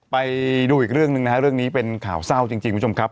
ไปดูอีกเรื่องหนึ่งนะฮะเรื่องนี้เป็นข่าวเศร้าจริงคุณผู้ชมครับ